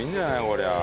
こりゃ。